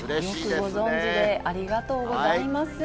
よくご存じで、ありがとうごありがとうございます。